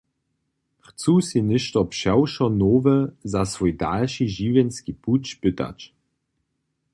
Chcu sej něšto přewšo nowe za swój dalši žiwjenski puć pytać.